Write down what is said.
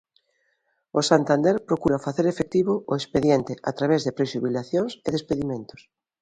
O Santander procura facer efectivo o expediente a través de prexubilacións e despedimentos.